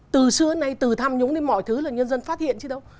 từ xưa đến nay từ tham nhũng đến mọi thứ là nhân dân phát hiện chứ đâu